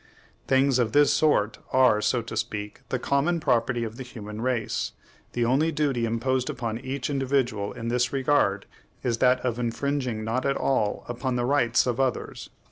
Things of this sort are, so to speak, the common property of the human race; the only duty imposed upon each individual in this regard is that of infringing not at all upon the rights of others."